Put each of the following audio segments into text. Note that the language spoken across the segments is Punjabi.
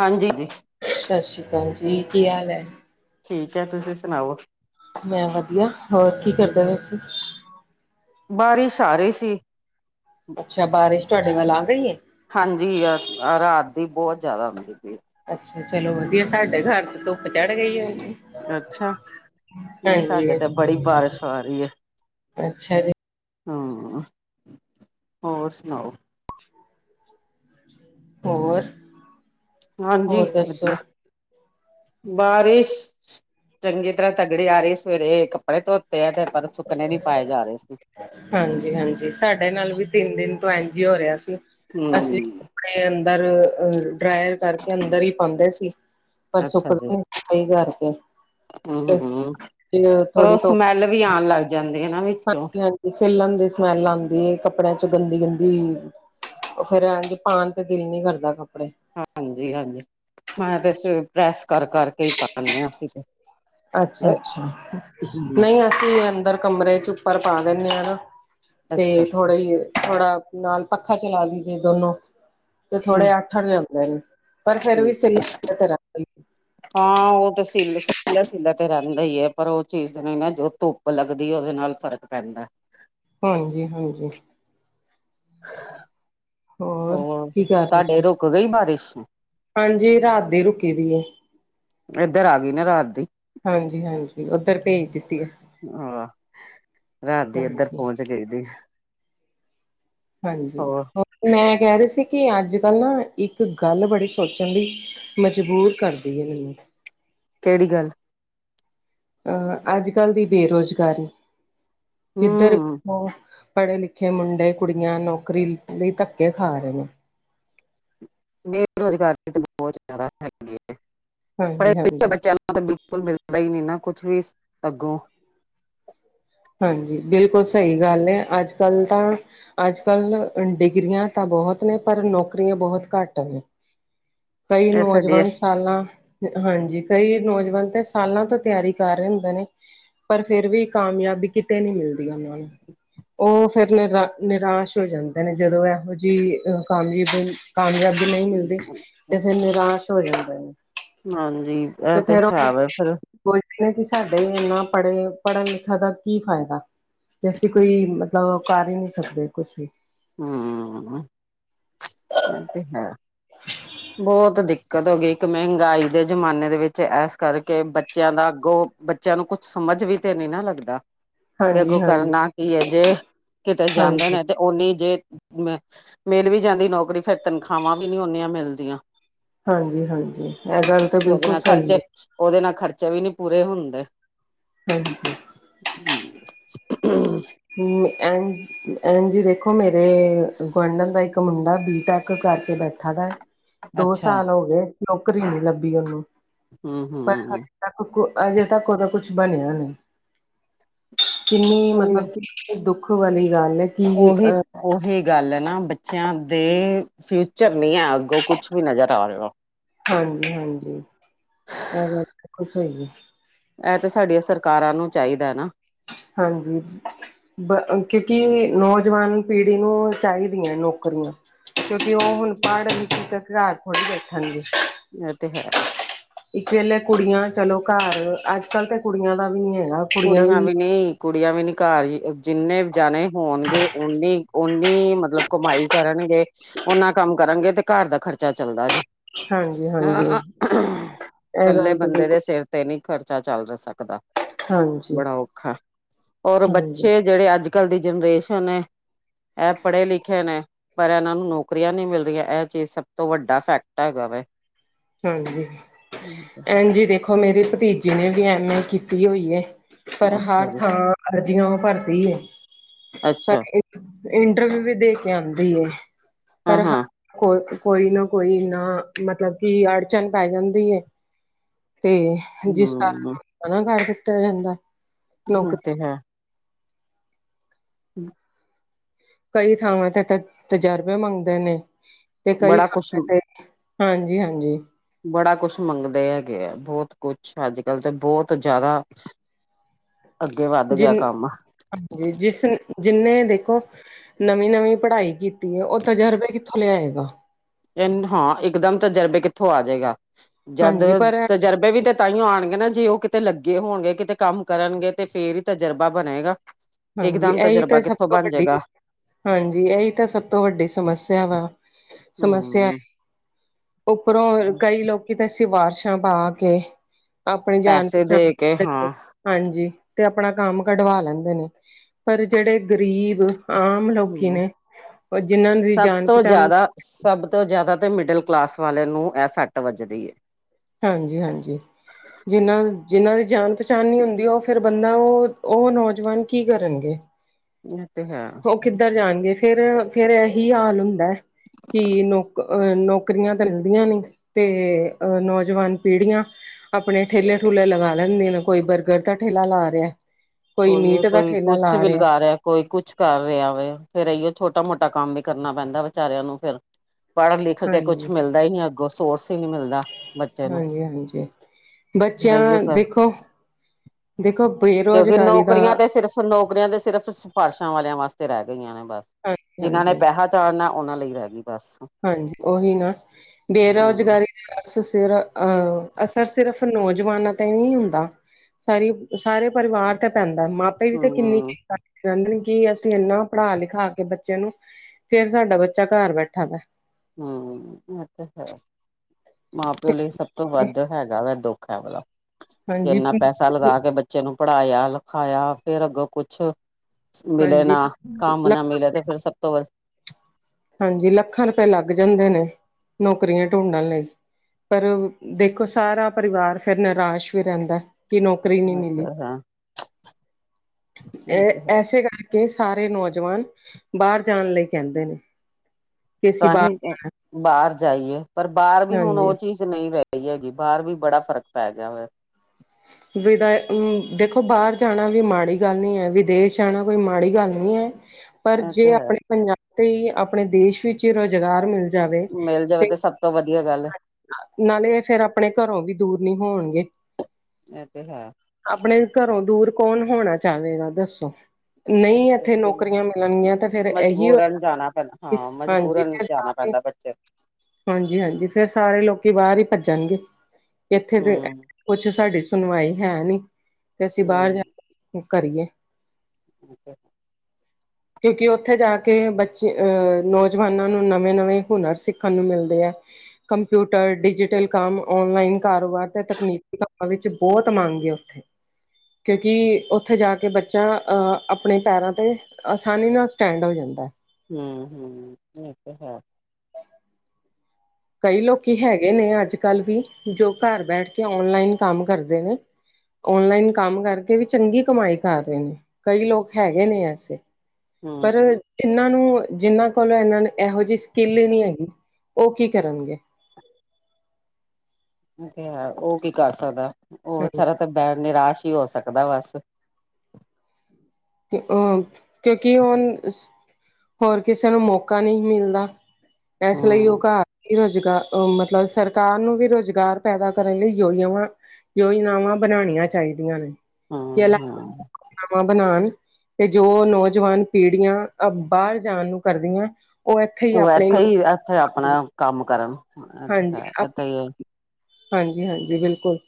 ਹਾਂਜੀ ਜੀ। ਸ਼ ਸ਼ੀ ਕਾਲ ਜੀ, ਕੀ ਹਾਲ ਹੈ? ਠੀਕ ਹੈ, ਤੁਸੀਂ ਸੁਣਾਓ। ਮੈਂ ਵਧੀਆ, ਹੋਰ ਕੀ ਕਰਦੇ ਪਏ ਸੀ? ਬਾਰਿਸ਼ ਆ ਰਹੀ ਸੀ। ਅੱਛਾ, ਬਾਰਿਸ਼ ਤੁਵਾਡੇ ਵੱਲ ਆ ਗਈ ਏ। ਹਾਂਜੀ ਅ ਰਾਤ ਦੀ ਬਹੁਤ ਜਾਦਾ ਹੁੰਦੀ ਪਈ ਏ। ਅੱਛਾ ਚਲੋ ਵਧੀਆ, ਸਾਡੇ ਘਰ ਤੇ ਧੁੱਪ ਚੜ ਗਈ ਏ। ਅੱਛਾ, ਨਹੀਂ ਸਾਡੇ ਤੇ ਬੜੀ ਬਾਰਿਸ਼ ਆ ਰਹੀ ਏ। ਅੱਛਾ ਜੀ ਹਾਂ, ਔਰ ਸੁਣਾਓ। ਔਰ। ਹਾਂਜੀ ਵਧੀਆ। ਬਾਰਿਸ਼ ਚੰਗੀ ਤਰਾਂ ਤਗੜੀ ਆ ਰਹੀ, ਸਵੇਰੇ ਕੱਪੜੇ ਧੋਤੇ ਆ ਤੇ। ਪਰ ਸੁਕਨੇ ਨੀ ਪਾਏ ਜਾ ਰਹੇ ਸੀ। ਹਾਂਜੀ- ਹਾਂਜੀ, ਸਾਡੇ ਨਾਲ ਵੀ ਤਿੰਨ ਦਿਨ ਤੋਂ ਐਨਜੀ ਹੀ ਹੋ ਰਿਹਾ ਸੀ। ਹਮ - ਹਮ ਕਈ ਅੰਦਰ ਅ ਡਰਾਇਲ ਕਰਕੇ ਅੰਦਰ ਹੀ ਪਾਂਦੇ ਸੀ, ਪਰ ਅੱਛਾ ਜੀ। ਸੁੱਕਦੇ ਨੀ। ਸਹੀ ਗੱਲ ਜੇ। ਪਰ ਥੋੜੀ ਉਹ ਧੁੱਪ ਸਮੈਲ ਵੀ ਆਉਣ ਲੱਗ ਜਾਂਦੀ ਏ ਨਾ ਵੀ। ਹਾਂਜੀ - ਹਾਂਜੀ ਸਿਲੱਨ ਦੀ ਸਮੈਲ ਆਂਦੀ ਏ ਕੱਪੜਿਆਂ ਚੋਂ ਗੰਦੀ - ਗੰਦੀ। ਉਹ ਫੇਰ ਐਜ ਪਾਂਨ ਤੇ ਦਿਲ ਨੀ ਕਰਦਾ ਕੱਪੜੇ। ਹਾਂਜੀ - ਹਾਂਜੀ ਮੈਂ ਤੇ ਸਵੇਰੇ ਪ੍ਰੈਸ ਕਰ ਕਰਕੇ ਹੀ ਪਾਨੇ ਅ ਅਸੀਂ। ਅੱਛਾ - ਅੱਛਾ ਨਹੀਂ ਅਸੀਂ ਅੰਦਰ ਕਮਰੇ ਚ ਉੱਪਰ ਪਾ ਦਿੰਦੇ ਅ ਨਾ। ਤੇ ਅੱਛਾ ਅੱਛਾ। ਥੋੜਾ ਨਾਲ, ਪੱਖਾ ਚਲਾ ਦੀਦੇ ਦੋਨੋ। ਤੇ ਹੂੰ ਥੋੜੇ ਅੱਠਰ ਦੇ ਹੁੰਦੇ ਨੇ, ਪਰ ਫਿਰ ਵੀ ਸੀਲੇ - ਸੀਲੇ ਤੇ ਲੱਗਦੇ ਨੇ। ਹਾਂ ਉਹ ਤੇ ਸੀਲਾ - ਸੀਲਾ ਤੇ ਰਹਿੰਦਾ ਹੀ ਹੈ, ਪਰ ਉਹ ਚੀਜ਼ ਨਹੀਂ ਨਾ ਜੋ ਧੁੱਪ। ਧੁੱਪ ਲੱਗਦੀ, ਉਦੇ ਨਾਲ ਫਰਕ ਪੈਂਦਾ। ਹਾਂਜੀ - ਹਾਂਜੀ। [inaudible] ਹੋਰ ਕੀ ਕਰ ਰਹੇ ਸੀ। ਰੁਕ ਗਈ ਬਾਰਿਸ਼। ਹਾਂਜੀ ਰਾਤ ਦੀ ਰੁਕੀ ਦੀ ਏ। ਇੱਧਰ ਆ ਗਈ ਨਾ ਰਾਤ ਦੀ ਹਾਂਜੀ - ਹਾਂਜੀ ਉਦਰ ਪੇਜ ਦਿੱਤੀ ਅਸੀਂ। ਆ ਰਾਤ ਦੀ ਇਧਰ ਹਾਂਜੀ ਪਹੁੰਚ ਗਈ ਦੀ। ਹਾਂਜੀ ਹੋਰ ਮੈਂ ਕਹਿ ਰਹੀ ਸੀ ਕਿ, ਅੱਜ ਕੱਲ ਨਾ ਇੱਕ ਗੱਲ ਬੜੀ ਛੇ। ਸੋਚਣ ਲਈ ਮਜਬੂਰ ਕਰਦੀ ਏ ਮਿਨੂੰ। ਕਿਹੜੀ ਗੱਲ। ਅਹ ਅੱਜ ਕੱਲ ਦੀ, ਬੇਰੋਜ਼ਗਾਰੀ ਕਿੱਧਰ ਹੂੰ ਪਹੁਚ। ਪੜ੍ਹੇ - ਲਿਖੇ ਮੁੰਡੇ ਕੁੜੀਆਂ ਨੌਕਰੀ ਲਈ ਧੱਕੇ ਖਾ ਰਹੇ ਨੇ। ਬੇਰੋਜ਼ਗਾਰੀ ਤਾਂ ਬਹੁਤ ਜ਼ਿਆਦਾ ਹੈਗੀ ਹੈ। ਪੜੇ ਹਾਂਜੀ ਲਿਖੇ ਹਾਂਜੀ ਬੱਚਿਆਂ ਨੁ। ਤਾਂ ਬਿਲਕੁਲ ਮਿਲਦਾ ਹੀ ਨੀ ਨਾ ਕੁਛ ਵੀ ਅੱਗੋਂ। ਹਾਂਜੀ ਬਿਲਕੁੱਲ ਸਈ ਗੱਲ ਏ ਅੱਜ-ਕੱਲ ਤਾਂ ਅੱਜ-ਕੱਲ ਡਿਗਰੀਆਂ ਤਾਂ ਬਹੁਤ ਨੇ ਪਰ ਨੌਕਰੀਆਂ ਬਹੁਤ ਘੱਟ ਨੇ। ਕਈ ਇਹ ਸਾਡੇ ਨੌਜਵਾਨ ਸਾਲਾਂ, ਹਾਂਜੀ ਕਈ ਨੌਜਵਾਨ 'ਤੇ ਸਾਲਾਂ ਤੋਂ ਤਿਆਰੀ ਕਰ ਰੇ ਹੁੰਦੇ ਨੇ। ਪਰ ਫੇਰ ਵੀ ਕਾਮਯਾਬੀ ਕਿਤੇ ਨੀ ਮਿਲਦੀ ਉਨਾਂ ਨੂੰ। ਓ ਫਿਰ ਨਿਰਾ ਨਿਰਾਸ਼ ਹੋ ਜਾਂਦੇ ਨੇ ਜਦੋਂ ਇਹੋ ਜੀ ਕਾਮਜੀ ਕਾਮਯਾਬੀ ਨਈ ਮਿਲਦੀ 'ਤੇ ਫੇਰ ਨਿਰਾਸ਼ ਹੋ ਜਾਂਦਾ ਨੇ। ਹਾਂਜੀ ਐ 'ਤੇ ਹੈ ਵੇ ਫਿਰ। ਕੋਈ ਵੀ ਐ ਕੀ ਸਾਡੇ ਇੰਨਾ ਪੜ ਗੇ ਪੜਨ ਲਿਖਿਆ ਦਾ ਕੀ ਫਾਇਦਾ 'ਤੇ ਅਸੀਂ ਕੋਈ ਮਤਲਬ ਕਰ ਈ ਨੀ ਸਕਦੇ ਕੁਛ ਵੀ। ਹੂੰ, ਏ 'ਤੇ ਹੈ, ਬੋਤ ਦਿ ਕਤ ਹੋਗੀ ਇੱਕ ਮਹਿੰਗਾਈ ਦੇ ਜ਼ਮਾਨੇ ਦੇ ਵਿੱਚ ਇਸ ਕਰਕੇ ਬੱਚਿਆਂ ਦਾ ਅੱਗੋ ਬੱਚਿਆਂ ਨੂੰ ਕੁਛ ਸਮਝ ਵੀ 'ਤੇ ਨੀ ਨਾ ਲੱਗਦਾ। ਵੇ ਹਾਂਜੀ ਅੱਗੋਂ ਹਾਂਜੀ ਕਰਨਾ ਕੀ ਏ ਜੇ ਕਿਤੇ ਜਾਂਦੇ ਹਾਂਜੀ ਨੇ 'ਤੇ ਉਨੀ ਜੇ ਮ ਮਿਲ ਵੀ ਜਾਂਦੀ ਨੌਕਰੀ ਫੇਰ ਤਨਖਾਵਾਂ ਵੀ ਨੀ ਉਨੀਆਂ ਮਿਲਦੀਆਂ। ਹਾਂਜੀ-ਹਾਂਜੀ ਐ ਗੱਲ ਤਾਂ ਬਿਲਕੁੱਲ ਸਈ ਐ। ਉਦੇ ਨਾਲ ਖ਼ਰਚੇ ਵੀ ਨੀ ਪੂਰੇ ਹੁੰਦੇ। ਹਾਂਜੀ। ਹੂੰ। ਹੂੰ ਐਝ ਇੰਜ ਦੇਖੋ ਮੇਰੇ ਗੁਆਂਢਣ ਦਾ ਇੱਕ ਮੁੰਡਾ ਬੀ ਟੈਕ ਕਰਕੇ ਬੈਠਾ ਦਾ ਦੋ ਅੱਛਾ ਸਾਲ ਹੋਗੇ ਨੌਕਰੀ ਨੀ ਲੱਭੀ ਉਨੂੰ। ਹੂੰ-ਹੂੰ। ਤੱਕ ਕੁ ਅਜੇ ਤੱਕ ਉਦਾ ਕੁਛ ਬਣਿਆ ਨੀ, ਕਿੰਨੀ ਮਤਲਬ ਦੁੱਖ ਵਾਲੀ ਗੱਲ ਏ। ਉਹੀ ਉਹੀ ਗੱਲ ਐ ਨਾ ਬੱਚਿਆਂ ਦੇ ਫਿਊਚਰ ਨੀ ਐ ਅੱਗੋਂ ਕੁਛ ਵੀ ਨਜ਼ਰ ਆ ਰੇਆ। ਹਾਂਜੀ-ਹਾਂਜੀ, ਐ ਗੱਲ ਬਿਲਕੁੱਲ ਸਈ ਏ। ਐ 'ਤੇ ਸਾਡੀਆਂ ਸਰਕਾਰਾਂ ਨੂੰ ਚਾਈਦਾ ਨਾ। ਹਾਂਜੀ। ਬ ਕਿਉਂਕਿ ਨੌਜਵਾਨ ਪੀੜੀ ਨੂੰ ਚਾਈਦੀ ਐ ਨੌਕਰੀਆਂ। ਕਿਉਂਕਿ ਓ ਹੁਲ ਪੜ ਲਿਖ ਕੇ ਘਰ ਥੋੜੀ ਬੈਠਣਗੇ। ਏ 'ਤੇ ਹੈ। ਇੱਕ ਵੇਲੇ ਕੁੜੀਆਂ ਚਲੋ ਘਰ ਅੱਜ-ਕੱਲ 'ਤੇ ਕੁੜੀਆਂ ਦਾ ਵੀ ਨੀ ਹੈਗਾ। ਕੁੜੀਆਂ ਵੀ ਨਈ ਕੁੜੀਆਂ ਵੀ ਨੀ ਘਰ ਈ ਜਿੰਨੇ ਜਣੇ ਹੋਣਗੇ ਉਨੀ, ਉਨੀ ਮਤਲਬ ਕਮਾਈ ਕਰਨਗੇ। ਉਨਾਂ ਕੰਮ ਕਰਨਗੇ 'ਤੇ ਘਰ ਦਾ ਖ਼ਰਚਾ ਚੱਲਦਾ ਜੇ। ਹਾਂਜੀ ਹਾਂਜੀ ਇਹ ਕੱਲੇ ਗੱਲ ਤਾਂ ਬੰਦੇ ਦੇ ਬਿਲਕੁਲ ਸਿਰ 'ਤੇ ਨੀ ਖ਼ਰਚਾ ਚੱਲ ਸਕਦਾ। ਹਾਂਜੀ ਬੜਾ ਔਖਾ ਔਰ ਹਾਂਜੀ ਬੱਚੇ ਜਿਹੜੇ ਅੱਜ-ਕੱਲ ਦੀ ਜਨਰੇਸ਼ਨ ਏ ਐ ਪੜੇ ਲਿਖੇ ਨੇ। ਪਰ ਐਨਾਂ ਨੂੰ ਨੌਕਰੀਆਂ ਨੀ ਮਿਲ ਰੀਆਂ ਐ ਚੀਜ਼ ਸਭ ਤੋਂ ਵੱਡਾ ਫੈਕਟ ਹੈਗਾ ਵੇ। ਹਾਂਜੀ, ਐਜੀ ਦੇਖੋ ਮੇਰੀ ਭਤੀਜੀ ਨੇ ਵੀ ਐਮ ਏ ਕੀਤੀ ਹੋਈ। ਪਰ ਅੱਛਾ ਹਰ ਜੀ ਥਾਂ ਅਰਜ਼ੀਆਂ ਓ ਭਰਦੀ ਏ। ਅੱਛਾ ਪਰ ਇੰਟਰਵਿਊ ਵੀ ਦੇ ਕੇ ਆਂਦੀ ਏ, ਹਾਂ ਪਰ ਹ ਹਾਂ ਕੋ ਕੋਈ ਨਾ- ਕੋਈ ਨਾ ਮਤਲਬ ਕਿ ਅੜਚਨ ਪੈ ਜਾਂਦੀ ਏ। ਤੇ ਜਿਸ ਹਮ ਕਾਰਨਣਾ ਕਰ ਦਿੱਤਾ ਜਾਂਦਾ [unintelligible] ਹੂੰ ਨੌਕਰੀ ਤੇ ਹੈ। ਹਮ। ਕਈ ਥਾਵਾਂ ਤੇ- ਤੇ ਤਜਰਬੇ ਮੰਗਦੇ ਨੇ, ਤੇ ਕਈ ਬੜਾ ਕੁਛ ਥਾਵਾਂ ਤੇ ਹਾਂਜੀ - ਹਾਂਜੀ। ਬੜਾ ਕੁਛ ਮੰਗਦੇ ਹੈਗੇ ਐ, ਬਹੁਤ ਕੁਛ ਅੱਜ ਕੱਲ ਤੇ ਬਹੁਤ ਜਾਦਾ ਜਿੰਨ ਹਾਂਜੀ ਜਿਸ ਨ ਜਿੰਨੇ ਵੇਖੋ ਨਵੀਂ- ਨਵੀਂ ਪੜਾਈ ਕੀਤੀ ਏ ਉਹ ਤਜਰਬੇ ਕਿੱਥੋਂ ਲਯਾਏਗਾ। ਦਿਨ ਹਾਂ ਇਕ ਦਮ ਤਜਰਬੇ ਕਿੱਥੋਂ ਆ ਜੇਗਾ ਜਦ ਹਾਂਜੀ ਪਰ ਤਜਰਬੇ ਵੀ ਤੇ ਤਾਂਈ ਯੋਂ ਆਣਗੇ ਨਾ ਜੇ ਉਹ ਕਿਤੇ ਲੱਗੇ ਹੋਣਗੇ, ਕਿਤੇ ਕੰਮ ਕਰਨਗੇ ਤੇ ਫੇਰ ਈ ਤਜਰਬਾ ਬਣੇਗਾ। ਹਾਂਜੀ ਇਕਦਮ ਇਹੀ ਤਾਂ ਤਜਰਬਾ ਸਭ ਕਿੱਥੋਂ ਤੋਂ ਬਣ ਵੱਡੀ ਜੇਗਾ। ਹਾਂਜੀ ਏਹੀ ਤਾਂ ਸਭ ਤੋਂ ਵੱਡੀ ਸਮੱਸਯਾ ਵਾ ਸਮੱਸਿਆ ਹਮ ਉਪਰੋਂ ਕਈ ਲੋਕੀ ਤੇ ਸਿਵਰਸ਼ਾਂ ਪਾ ਕੇ ਆਪਣੀ ਜਾਣ- ਪੈਸੇ ਪਛਾਣ ਦੇ ਕੇ ਰੱਖਣਗੇ। ਹਾਂ ਹਾਂਜੀ। ਤੇ ਆਪਣਾ ਕੰਮ ਕਢਵਾ ਲੈਂਦੇ ਨੇ ਪਰ ਜੇੜੇ ਗਰੀਬ ਆਮ ਲੋਕੀ ਹਮ ਨੇ ਔਰ ਜਿੰਨਾਂ ਦੀ ਸਭ ਜਾਣ ਤੋਂ -ਪਚਾਣ ਨਈ ਜ਼ਿਆਦਾ ਸਭ ਤੋਂ ਜ਼ਆਦਾ ਤੇ ਮਿਡਲ ਕਲਾਸ ਵਾਲਯਾਂ ਨੂੰ ਏਹ ਸੱਟ ਵੱਜਦੀ ਏ। ਹਾਂਜੀ -ਹਾਂਜੀ। ਜਿੰਨਾ- ਜਿੰਨਾਂ ਦੀ ਜਾਨ ਪਚਾਣ ਨੀ ਹੁੰਦੀ ਉਹ ਫੇਰ ਬੰਦਾ ਉਹ- ਉਹ ਨੌਜਵਾਨ ਕੀ ਕਰਨਗੇ। ਏਹ ਤੇ ਹੈ। ਉਹ ਕਿੱਧਰ ਜਾਣਗੇ ਫੇਰ- ਫੇਰ ਏਜ ਈ ਹਾਲ ਹੁੰਦੈ। ਕਿ ਨੌਕ ਅ ਨੌਕਰੀਯਾਂ ਤੇ ਮਿਲਦੀਆਂ ਨਈ। ਤੇ ਅ ਨੌਜਵਾਨ ਪੀੜੀਯਾਂ ਆਪਣੇ ਠੇਲੇ -ਠੁਲੇ ਲਗਾ ਲੈਂਨੇ ਨੇ। ਕੋਈ ਬਰਗਰ ਦਾ ਠੇਲਾ ਲਾ ਰੇਯੈ। ਉਇਯੋ ਕੋਈ ਕੁੱਛ ਵੀ ਲਗਾ ਰੇਂਯੈ ਕੋਈ ਕੁਛ ਕਰ ਰੇਯਾ ਵੇ ਫੇਰ ਏਇਯੌ ਛੋਟਾ -ਮੋਟਾ ਕੰਮ ਵੀ ਕਰਨਾ ਪੈਂਦਾ ਵਚਾਰਆਂ ਨੂੰ ਫੇਰ। ਪੜ ਲਿਖ ਕੇ ਕੁਛ ਹਾਂਜੀ ਮਿਲਦਾ ਈ ਨੀ, ਅੱਗੋਂ ਸੋਰਸ ਈ ਨੀ ਮਿਲਦਾ ਬੱਚੇ ਨੂੰ। ਹਾਂਜੀ- ਹਾਂਜੀ। ਫਿਰ ਬੱਚਿਆਂ ਇਹੀਓ ਫਿਰ ਦੇਖੋ ਦੇਖੋ [unintelligible] ਕਿਉਂਕਿ ਦਾ ਨੌਕਰੀਆਂ ਤੇ ਸਿਰਫ- ਨੌਕਰੀਆਂ ਤੇ ਸਿਰਫ ਸਫਾਰਸ਼ਾਂ ਵਾਲਿਯਾਂ ਵਾਸਤੇ ਰਹ ਗਈਆਂ ਨੇ ਬਸ। ਹਾਂਜੀ ਜਿਨਾਂ ਨੇ ਹਾਂਜੀ ਪੈਹਾ ਚਾੜਨੈ, ਉਹਨਾਂ ਲਈ ਰਹਿ ਗਈ ਬਸ। ਹਾਂਜੀ ਉਹੀ ਨਾ ਹਮ ਬੇਰੋਜ਼ਗਾਰੀ। ਅਸ ਸਿਰ ਅਹ ਅਸਰ ਸਿਰਫ ਨੌਜਵਾਨਾਂ ਤੇ ਈ ਨਈ ਹੁੰਦਾ ਸਾਰੀ ਸਾਰੇ ਪਰਿਵਾਰ ਤੇ ਪੈਂਦੈ ਮਾਪੇ ਵੀ ਤੇ ਕਿੰਨੀ ਹਮ ਚ ਕਹਿੰਦੇ ਨੇ ਕਿ ਅਸੀ ਇਨਾ ਪਦ ਲਿਖਾ ਕੇ ਬੱਚਯਾਂ ਨੂੰ ਫੇਰ ਸਾਡਾ ਬੱਚਾ ਘਰ ਬੈਠਾ ਦੈ। ਹਮ ਇਹ ਤੇ ਹੈ। ਮਾਂ-ਪਿਓ ਲਈ ਸਭ ਤੋਂ ਵੱਧ ਹੈਗਾ ਵੈ ਦੁੱਖ। ਏ ਵਾਲਾ ਕਿ ਹਾਂਜੀ ਇੰਨਾ ਪੈਸਾ ਪੈਆ ਲਗਾ ਕੇ ਬੱਚੇ ਨੂੰ ਪੜਾਯਾ -ਲਖਾਯਾ ਫੇਰ ਅੱਗੋਂ ਕੁਛ ਮਿਲੇ ਹਾਂਜੀ ਨਾ ਕੰਮ ਨਾ ਮਿਲੇ ਤੇ ਫੇਰ ਸਭ ਤੋਂ ਵੱਧ ਹਾਂਜੀ। ਲੱਖਾਂ ਰੁਪਏ ਲੱਗ ਜਾਂਦੇ ਨੇ ਨੌਕਰੀਯਾਂ ਢੂੰਢਣ ਲਈ। ਪਰ ਦੇਖੋ ਸਾਰਾ ਪਰਿਵਾਰ ਫੇਰ ਨਿਰਾਸ਼ ਵੀ ਰਹੰਦਾ। ਕਿ ਨੌਕਰੀ ਨੀ ਮਿਲੀ ਇਹ ਏਸੇ ਕਰਕੇ ਸਾਰੇ ਨੌਜਵਾਨ ਬਾਰ ਜਾਣ ਲਈ ਕਹਿੰਦੇ ਨੇ। ਕਿ ਅਸੀਂ ਤਾਂ ਬਾਹਰ ਹੀ ਜਾਣਾ ਬਾਹਰ ਜਾਈਏ, ਪਰ ਬਾਹਰ ਵੀ ਹੁਣ ਉਹ ਹਾਂਜੀ ਚੀਜ਼ ਨਹੀਂ ਰਹਿ ਰਹੀ ਹੈਗੀ, ਬਾਹਰ ਵੀ ਬੜਾ ਫ਼ਰਕ ਪੈ ਗਿਆ ਵੈ। ਵਿਦਾ ਦੇਖੋ ਬਾਹਰ ਜਾਣਾ ਵੀ, ਮਾੜੀ ਗੱਲ ਨਹੀਂ ਹੈ। ਵਿਦੇਸ਼ ਜਾਣਾ, ਕੋਈ ਮਾੜੀ ਗੱਲ ਨਹੀਂ ਹੈ। ਪਰ ਇਹ ਤੇ ਜੇ ਹੈ ਆਪਣੇ ਪੰਜਾਬ, ਤੇ ਆਪਣੇ ਦੇਸ਼ ਵਿੱਚ ਰੁਜ਼ਗਾਰ ਮਿਲ ਜਾਵੇ ਮਿਲ ਜਾਵੇ ਤੇ, ਸਭ ਤੋਂ ਵਧੀਆ ਗੱਲ ਐ। ਨਾਲੇ ਇਹ ਫੇਰ, ਆਪਣੇ ਘਰੋਂ ਵੀ ਦੂਰ ਨੀ ਹੋਣਗੇ। ਇਹ ਤੇ ਹੈ। ਆਪਣੇ ਘਰੋਂ ਦੂਰ, ਕੌਣ ਹੋਣਾ ਚਾਹਵੇਗਾ ਦੱਸੋ। ਨਹੀਂ ਇੱਥੇ ਨੌਕਰੀਆਂ ਮਿਲਣਗੀਆਂ, ਤੇ ਫੇਰ ਇਹੀ ਹੋਏਗਾ। ਮਜਬੂਰਨ ਜਾਣਾ ਪੈਂਦਾ ਹਾਂ ਹਾਂਜੀ, ਮਜਬੂਰਨ ਫਿਰ ਜਾਣਾ [unintelligible] ਹਾਂਜੀ ਹਾਂਜੀ, ਫੇਰ ਸਾਰੇ ਲੋਕੀ ਬਾਹਰ ਹੀ ਭੱਜਣਗੇ। ਇੱਥੇ ਤੇ ਹੂੰ ਕੁਛ ਸਾਡੀ ਸੁਣਵਾਈ ਹੈ ਨੀ, ਤੇ ਅਸੀਂ ਬਾਹਰ ਹੂੰ ਜਾ ਕਰੀਏ। [inaudible] ਠੀਕ ਐ। ਕਿਉਂਕਿ ਉੱਥੇ ਜਾ ਕੇ ਬੱਚੇ, ਅਹ ਨੌਜਵਾਨਾਂ ਨੂੰ ਨਵੇਂ-ਨਵੇਂ ਹੁਨਰ ਸਿੱਖਣ ਨੂੰ ਮਿਲਦੇ ਹੈ। ਕੰਪਿਊਟਰ, ਡਿਜੀਟਲ ਕੰਮ, ਔਨਲਾਈਨ ਕਾਰੋਬਾਰ ਤੇ ਤਕਨੀਕੀ ਕੰਮਾਂ ਵਿੱਚ ਬਹੁਤ ਮੰਗ ਹਾਂ। ਕਿਉਂਕਿ, ਉੱਥੇ ਜਾ ਕੇ ਬੱਚਾ ਅਹ ਆਪਣੇ ਪੈਰਾਂ ਤੇ ਆਸਾਨੀ ਨਾਲ ਸਟੈਂਡ ਹੋ ਜਾਂਦਾ। ਹਮ ਹਮ, ਇਹ ਤੇ ਹੈ। ਕਈ ਲੋਕੀ ਹੈਗੇ ਨੇ ਅੱਜ ਕੱਲ੍ਹ ਵੀ, ਜੋ ਘਰ ਬੈਠ ਕੇ ਔਨਲਾਈਨ ਕੰਮ ਕਰਦੇ ਨੇ। ਔਨਲਾਈਨ ਕੰਮ ਕਰਕੇ ਵੀ, ਚੰਗੀ ਕਮਾਈ ਕਰ ਰਹੇ ਨੇ, ਕਈ ਲੋਕ ਹੈਗੇ ਨੇ ਐਸੇ। ਹੂੰ ਪਰ ਹੂੰ ਇਹਨਾਂ ਨੂੰ, ਜਿਹਨਾਂ ਕੋਲੋਂ ਇਹਨਾਂ ਇਹੋ ਜਿਹੀ ਸਕਿੱਲ ਹੀ ਨਹੀਂ ਹੈਗੀ, ਉਹ ਕੀ ਕਰਨਗੇ। ਤੇ ਉਹ ਕੀ ਕਰ ਸਕਦਾ, ਉਹ ਹਾਂਜੀ ਸਾਰਾ ਤਾਂ ਬ ਨਿਰਾਸ਼ ਹੀ ਹੋ ਸਕਦਾ ਬਸ। ਅ ਕਿਉਂਕਿ ਹੁਣ, ਹੋਰ ਕਿਸੇ ਨੂੰ ਮੌਕਾ ਨਹੀਂ ਮਿਲਦਾ। ਐਸ ਲਈ ਉਹ ਹੂੰ ਘ, ਰੋਜਗਾ ਅ ਮਤਲਬ ਸਰਕਾਰ ਨੂੰ ਵੀ, ਰੁਜ਼ਗਾਰ ਪੈਦਾ ਕਰਨ ਲਈ ਯੋਜਵਾਂ ਬਨਾ ਯੋਜਨਾਵਾਂ ਬਣਾਉਣੀਆਂ ਚਾਹੀਦੀਆਂ ਨੇ। ਕਿ ਹੂੰ ਅਲੱਗ ਹੂੰ ਯੋਜਨਾਵਾਂ ਬਣਾਉ ਤੇ ਜੋ ਨੌਜਵਾਨ ਪੀੜ੍ਹੀਆਂ, ਅ ਬਾਹਰ ਜਾਣ ਨੂੰ ਕਰਦੀਆਂ, ਉਹ ਇੱਥੇ ਹੀ ਆਪਣੇ ਉਥੇ ਆਪਣਾ ਕੰਮ ਕਰਨ। ਹਾਂਜੀ, ਆਪ ਇੱਥੇ ਹੀ ਹਾਂਜੀ ਹਾਂਜੀ, ਬਿਲਕੁਲ,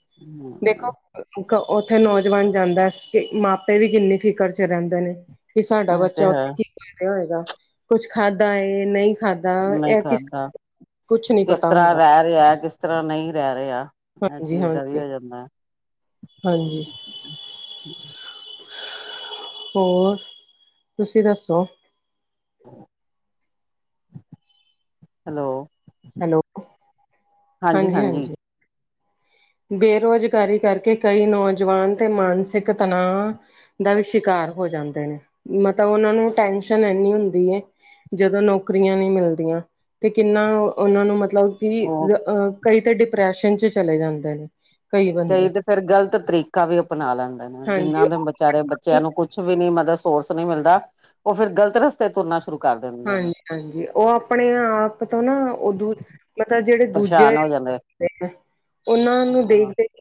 ਦੇਖੋ ਉੱਥੇ ਨੌਜਵਾਨ ਜਾਂਦਾ, ਮਾਪੇ ਵੀ ਕਿੰਨੀ ਫਿਕਰ 'ਚ ਰਹਿੰਦੇ ਨੇ। ਕਿ ਸਾਡਾ ਇਹ ਤੇ ਬੱਚਾ ਹੈ ਉੱਥੇ ਕੀ ਕਰ ਰਿਹਾ ਹੋਏਗਾ, ਕੁਛ ਖਾਧਾ ਏ, ਨਹੀਂ ਖਾਧਾ, ਨਹੀਂ ਇਹ ਕਿਸ ਕਰਦਾ ਕੁਛ ਨੀ ਪਤਾ। ਕਿਸ ਤਰ੍ਹਾਂ ਹੁੰਦਾ ਰਹਿ ਰਿਹਾ, ਕਿਸ ਤਰ੍ਹਾਂ ਨਹੀਂ ਰਹਿ ਰਿਹਾ, ਇਹ ਹਾਂਜੀ ਚੀਜ਼ ਦਾ ਹੀ ਹਾਂਜੀ ਹੋ ਜਾਂਦਾ ਹੈ। ਹਾਂਜੀ ਹਮ। ਹੋਰ, ਤੁਸੀਂ ਦੱਸੋ? ਹੈਲੋ- ਹੈਲੋ, ਹਾਂਜੀ ਹਾਂਜੀ ਬੇਰੁਜ਼ਗਾਰੀ ਕਰਕੇ, ਕਈ ਨੌਜਵਾਨ ਤੇ ਮਾਨਸਿਕ ਤਣਾਅ ਦਾ ਵੀ ਸ਼ਿਕਾਰ ਹੋ ਜਾਂਦੇ ਨੇ, ਮਤਲਬ ਉਹਨਾਂ ਨੂੰ ਟੈਸ਼ਨ ਇੰਨੀ ਹੁੰਦੀ ਹੈ। ਜਦੋਂ ਨੌਕਰੀਆਂ ਨਹੀਂ ਮਿਲਦੀਆਂ, ਤੇ ਕਿੰਨਾ ਉਹਨਾਂ ਨੂੰ ਮਤਲਬ ਕਿ, ਉਹ ਅਹ ਕਈ ਤਾਂ ਡਿਪਰੈਸ਼ਨ 'ਚ ਚਲੇ ਜਾਂਦੇ ਨੇ। ਕਈ ਤੇ ਫੇਿਰ, ਗ਼ਲਤ ਤਰੀਕਾ ਵੀ ਅਪਣਾ ਲੈਂਦੇ ਨੇ। ਹਾਂਜੀ ਜਿੰਹਨਾਂ ਦੇ ਵਿਚਾਰੇ ਬੱਚਿਆਂ ਨੂੰ ਕੁਛ ਵੀ ਨੀ, ਮਤਲਬ ਸੋਰਸ ਨਹੀਂ ਮਿਲਦਾ। ਉਹ ਫਿਰ ਗਲਤ ਰਸਤੇ ਤੁਰਨਾ ਸ਼ੁਰੂ ਕਰ ਦਿੰਦੇ। ਨੇ ਹਾਂਜੀ ਹਾਂਜੀ ਉਹ ਆਪਣੇ ਆਪ ਤੋਂ ਨਾ ਉਹਦੂ ਮਤਲਬ ਜਿਹੜੇ ਦੂਜੇ ਪਰੇਸ਼ਾਨ ਹੋ ਜਾਂਦੇ ਉਹਨਾਂ ਨੂੰ ਦੇਖ ਹਾਂ ਦੇਖ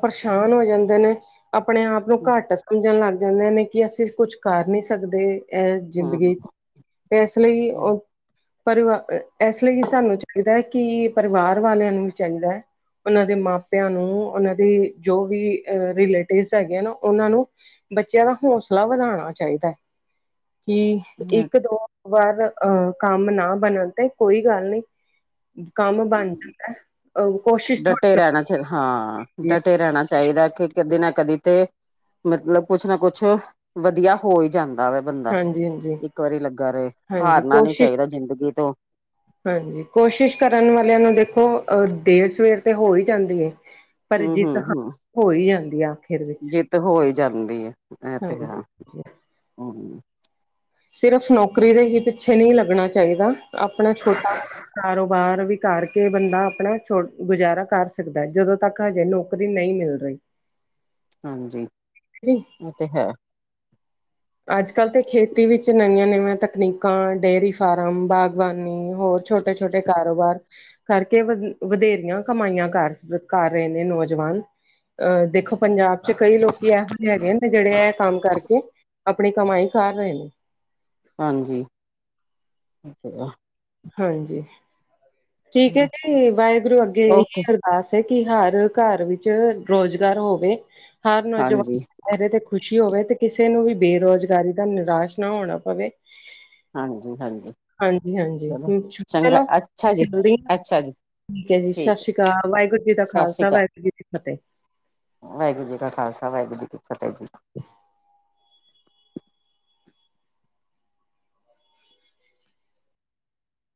ਪਰਸ਼ਾਨ ਹੋ ਜਾਂਦੇ ਨੇ ਆਪਣੇ ਆਪ ਨੂੰ ਘੱਟ ਸਮਝਣ ਲੱਗ ਜਾਂਦੇ ਨੇ। ਕਿ ਅਸੀਂ ਕੁਛ ਕਰ ਨੀ ਸਕਦੇ ਇਹ ਜ਼ਿੰਦਗੀ ਹਮ ਤੇ ਏਸ ਲਈ ਉਹ ਪਰਿਵਾ ਇਸ ਲਈ ਸਾਨੂੰ ਚਾਹੀਦਾ ਹੈ ਕਿ ਪਰਿਵਾਰ ਵਾਲਿਆਂ ਨੂੰ ਵੀ ਚਾਹੀਦਾ ਹੈ। ਉਹਨਾਂ ਦੇ ਮਾਪਿਆਂ ਨੂੰ ਉਹਨਾਂ ਦੇ ਜੋ ਵੀ ਰਿਲੇਟਿਵਸ ਹੈਗੇ ਨਾ ਉਹਨਾਂ ਨੂੰ। ਬੱਚਿਆਂ ਦਾ ਹੌਸਲਾ ਵਧਾਣਾ ਚਾਹੀਦਾ ਕਿ ਇੱਕ ਹਮ ਦੋ ਵਾਰ ਅਹ ਕੰਮ ਨਾ ਬਣਨ ਤੇ ਕੋਈ ਗੱਲ ਨੀ ਕੰਮ ਬਣ ਅ ਕੋਸ਼ ਡਟੇ ਰਹਿਣਾ ਚਾ ਹਾਂ ਡਟੇ ਰਹਿਣਾ ਹੈ। ਚਾਹੀਦਾ ਕਿ ਕਦੇ ਨਾ ਕਦੀ ਤੇ ਮਤਲਬ ਕੁਛ ਨਾ ਕੁਛ ਵਧੀਆ। ਹੋ ਈ ਜਾਂਦਾ ਵੇ ਬੰਦਾ ਹਾਂਜੀ ਹਾਂਜੀ ਇੱਕ ਵਾਰੀ ਲੱਗਾ ਰਹੇ ਹਾਂਜੀ ਹਾਰਨਾ ਨੀ ਕੋਸ਼ਿਸ਼ ਚਾਹੀਦਾ ਜ਼ਿੰਦਗੀ ਤੋਂ ਹਾਂਜੀ ਕੋਸ਼ਿਸ਼ ਕਰਨ ਵਾਲਿਆਂ ਨੂੰ ਦੇਖੋ ਅਹ ਦੇਰ ਸਵੇਰ ਤੇ ਹੋ ਹੀ ਜਾਂਦੀ ਏ। ਪਰ ਹਮ ਜਿੱਤ ਹਮ ਹ ਹੋ ਹੀ ਜਾਂਦੀ ਆਖਿਰ ਵਿੱਚ ਤੇ ਹੋ ਹੀ ਜਾਂਦੀ ਹੈ ਇਹ ਤੇ ਹੈ ਹਾਂਜੀ। ਹੁ ਸਿਰਫ਼ ਨੌਕਰੀ ਦੇ ਹੀ ਪਿੱਛੇ ਨਹੀਂ ਲੱਗਣਾ ਚਾਹੀਦਾ ਆਪਣਾ ਛੋਟਾ ਮੋ ਕਾਰੋਬਾਰ ਵੀ ਕਰਕੇ ਬੰਦਾ ਆਪਣਾ ਛੋ ਗੁਜ਼ਾਰਾ ਕਰ ਸਕਦਾ ਜਦੋਂ ਤੱਕ ਹਜੇ ਨੌਕ ਨੋਕਰੀ ਨਹੀਂ ਮਿਲ ਰਹੀ ਹਾਂਜੀ ਜੀ ਇਹ ਤੇ ਹੈ। ਅੱਜ ਕੱਲ੍ਹ ਤੇ ਖੇਤੀ ਵਿੱਚ ਨਵੀਆਂ ਨਵੀਆਂ ਤਕਨੀਕਾਂ ਡੇਅਰੀ ਫਾਰਮ ਬਾਗਬਾਨੀ ਹੋਰ ਛੋਟੇ ਛੋਟੇ ਕਾਰੋਬਾਰ ਕਰਕੇ ਵਧੇਰੀਆਂ ਕਮਾਈਆਂ ਕਰ ਕਰ ਰਹੇ ਨੇ ਨੌਜਵਾਨ ਅ ਦੇਖੋ ਪੰਜਾਬ ਤੇ ਕਈ ਲੋਕੀ ਇਹੋ ਜਹੇ ਹੈਗੇ ਨੇ ਜਿਹੜੇ ਇਹ ਕੰਮ ਕਰਕੇ ਆਪਣੀ ਕਮਾਈ ਕਰ ਰਹੇ ਨੇ ਹਾਂਜੀ। ਹਾਂਜੀ ਠੀਕ ਹੈ ਜੀ ਵਾਹਿਗੁਰੂ ਅੱਗੇ ਇਹੀ ਓਕੇ ਅਰ ਆਸ ਹੈ ਕਿ ਹਰ ਘਰ ਵਿੱਚ ਰੋਜ਼ਗਾਰ ਹੋਵੇ ਹਰ ਹਾਂਜੀ ਨੌਜਵਾਨ ਮੇਰੇ ਤੇ ਖੁਸ਼ੀ ਹੋਵੇ ਤੇ ਕਿਸੇ ਨੂੰ ਵੀ ਬੇਰੋਜ਼ਗਾਰੀ ਦਾ ਨਿਰਾਸ਼ ਨਾ ਹੋਣਾ ਪਵੇ। ਹਾਂਜੀ ਹਾਂਜੀ। ਹਾਂਜੀ ਹਾਂਜੀ ਚਲੋ ਚ ਚੰਗਾ ਲ ਅੱਛਾ ਜੀ ਚੱਲਦੀ ਹ ਅੱਛਾ [unintelligible] ਜੀ ਠੀਕ ਹੈ ਜੀ ਸਤਿ ਸ੍ਰੀ ਕਾਲ ਵਾਹਿਗੁਰੂ ਜੀ ਦਾ ਸਤਿ ਸ਼੍ਰੀ ਖਾਲਸਾ ਵਾਹਿਗੁਰੂ ਜੀ ਦੀ ਫਤਿਹ। ਵਾਹਿਗੁਰੂ ਜੀ ਕਾ ਖਾਲਸਾ ਵਾਹਿਗੁਰੂ ਜੀ ਕੀ ਫਤਿਹ ਜੀ। [inaudible]